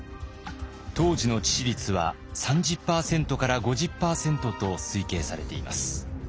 当時の致死率は３０％から５０％と推計されています。